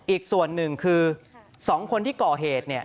อีกส่วนหนึ่งคือ๒คนที่ก่อเหตุเนี่ย